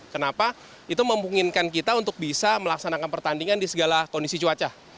kenapa itu memungkinkan kita untuk bisa melaksanakan pertandingan di segala kondisi cuaca